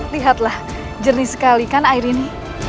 lihatlah jernih sekali kan air ini